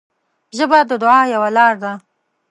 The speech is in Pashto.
ژبه د دعا یوه لاره ده